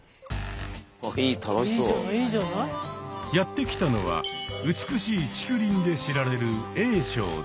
やって来たのは美しい竹林で知られる英勝寺。